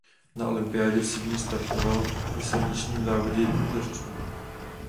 Na olympiádě v Sydney startoval i v silničním závodě jednotlivců.